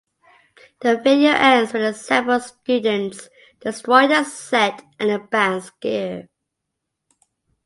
The video ends with the assembled students destroying the set and the band's gear.